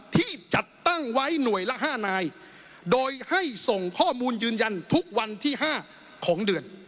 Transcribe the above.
ที่จัดตั้งไว้หน่วยละ๕นายโดยให้ส่งข้อมูลยืนยันทุกวันที่๕ของเดือน